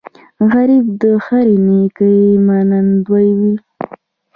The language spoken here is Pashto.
غریب د هرې نیکۍ منندوی وي